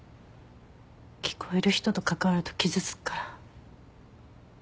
聞こえる人と関わると傷つくから。